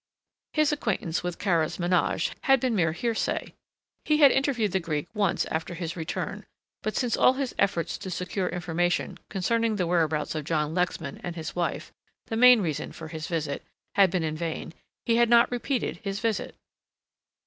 His acquaintance with Kara's menage had been mere hearsay. He had interviewed the Greek once after his return, but since all his efforts to secure information concerning the whereabouts of John Lexman and his wife the main reason for his visit had been in vain, he had not repeated his visit.